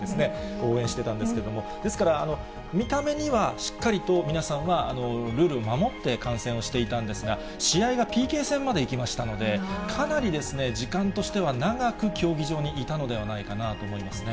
応援してたんですけれども、ですから、見た目にはしっかりと皆さんはルールを守って感染をしていたんですが、試合がＰＫ戦までいきましたので、かなり時間としては、長く競技場にいたのではないかなと思いますね。